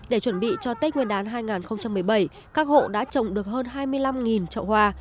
để chuẩn bị cho tết nguyên đán hai nghìn một mươi bảy các hộ đã trồng được hơn hai mươi năm trậu hoa